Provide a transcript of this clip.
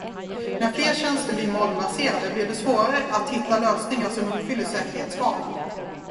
När fler tjänster blir molnbaserade blir det svårare att hitta lösningar som uppfyller säkerhetskraven.